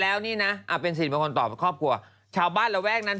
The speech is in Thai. เอาไปแน่น